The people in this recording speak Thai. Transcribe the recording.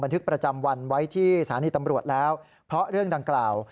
ทึกประจำวันไว้ที่สถานีตำรวจแล้วเพราะเรื่องดังกล่าว